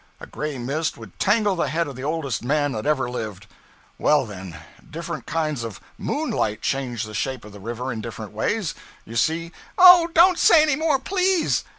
A gray mist would tangle the head of the oldest man that ever lived. Well, then, different kinds of _moonlight _change the shape of the river in different ways. You see ' 'Oh, don't say any more, please!